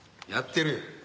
やってるよ。